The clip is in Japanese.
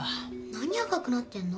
何赤くなってんの？